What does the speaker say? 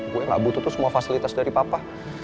gue gak butuh tuh semua fasilitas dari papa